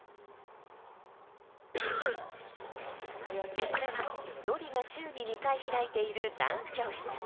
こちらはＮＯＲＩが週に２回開いているダンス教室。